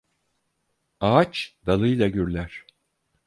Ağaç, dalıyla gürler!